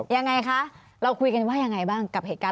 ยังไงคะเราคุยกันว่ายังไงบ้างกับเหตุการณ์